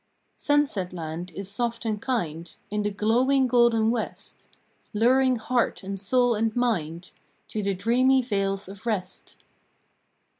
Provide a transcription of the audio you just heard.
Sunsetland is soft and kind In the glowing golden west, Luring heart and soul and mind To the dreamy Vales of Rest.